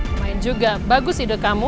lumayan juga bagus ide kamu